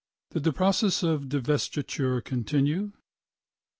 Did the process of divestiture continue?